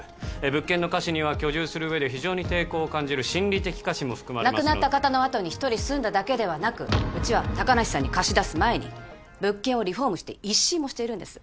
物件の瑕疵には居住する上で非常に抵抗を感じる心理的瑕疵も含まれ亡くなった方のあとに１人住んだだけではなくうちは高梨さんに貸し出す前に物件をリフォームして一新もしているんです